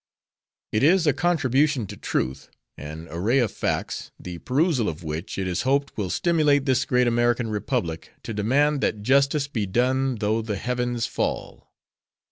It is a contribution to truth, an array of facts, the perusal of which it is hoped will stimulate this great American Republic to demand that justice be done though the heavens fall.